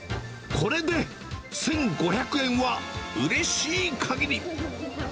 これで１５００円はうれしいかぎり。